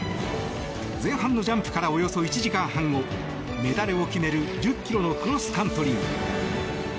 前半のジャンプからおよそ１時間半後メダルを決める１０ｋｍのクロスカントリー。